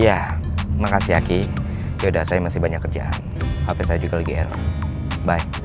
ya makasih ya ki yaudah saya masih banyak kerjaan hp saya juga lagi error bye